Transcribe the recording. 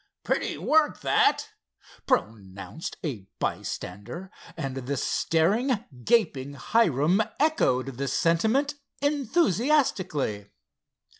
"Pretty work, that," pronounced a bystander, and the staring, gaping Hiram echoed the sentiment enthusiastically.